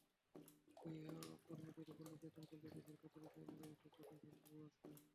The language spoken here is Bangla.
গৃহকর্মীদের ওপর নির্যাতন করলে দেশের প্রচলিত আইনে রয়েছে কঠিন শাস্তির ব্যবস্থা।